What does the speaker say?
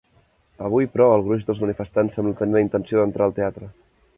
Avui, però, el gruix de manifestants sembla tenir la intenció d'entrar al teatre.